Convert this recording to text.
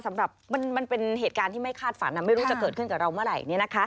สำหรับมันเป็นเหตุการณ์ที่ไม่คาดฝันไม่รู้จะเกิดขึ้นกับเราเมื่อไหร่